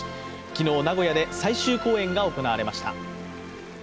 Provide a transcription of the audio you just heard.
昨日名古屋で最終公演が行われました。